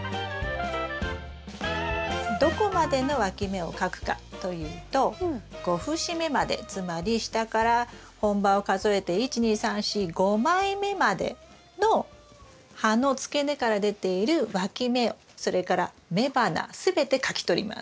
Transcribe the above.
どこまでのわき芽をかくかというと５節目までつまり下から本葉を数えて１２３４５枚目までの葉のつけ根から出ているわき芽それから雌花全てかきとります。